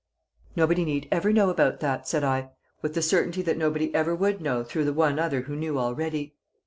"Nobody need ever know about that," said I, with the certainty that nobody ever would know through the one other who knew already.